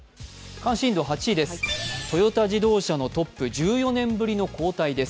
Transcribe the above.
関心度８位です、トヨタ自動車のトップ、１４年ぶりの交代です。